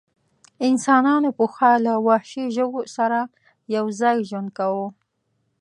انسانانو پخوا له وحشي ژوو سره یو ځای ژوند کاوه.